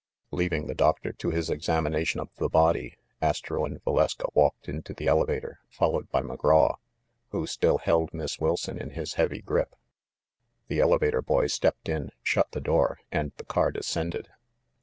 Leaving the doctor to his examination of the body, Astro and Valeska walked into the elevator, followed by McGraw, who still held Miss Wilson in his heavy grip. The elevator boy stepped in, shut the door, and the car descended.